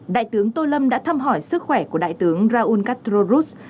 đại tướng tô lâm đã thăm hỏi sức khỏe của đại tướng raúl castro ruz